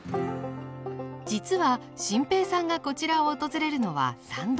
実は心平さんがこちらを訪れるのは３度目。